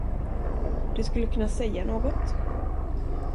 Du skulle kunna säga något.